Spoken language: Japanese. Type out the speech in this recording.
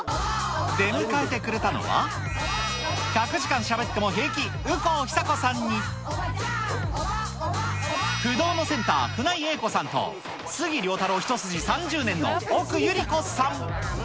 出迎えてくれたのは、１００時間しゃべっても平気、宇口久子さんに、不動のセンター、舟井栄子さんと杉良太郎一筋３０年の奥百合子さん。